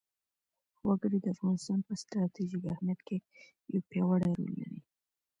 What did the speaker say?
وګړي د افغانستان په ستراتیژیک اهمیت کې یو پیاوړی رول لري.